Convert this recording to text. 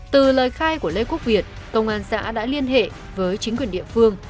từ lời khai của lê quốc việt công an xã đã liên hệ với chính quyền địa phương